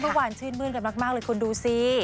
เมื่อวานชื่นมื้นกันมากเลยคุณดูสิ